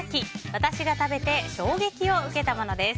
私が食べて衝撃を受けたものです。